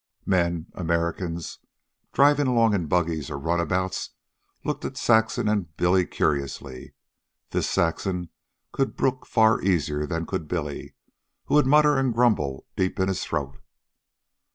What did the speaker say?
Men Americans driving along in buggies or runabouts looked at Saxon and Billy curiously. This Saxon could brook far easier than could Billy, who would mutter and grumble deep in his throat.